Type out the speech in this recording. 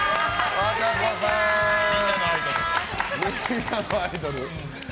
みんなのアイドル。